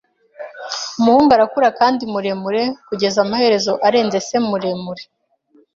Umuhungu arakura kandi muremure, kugeza amaherezo arenze se muremure.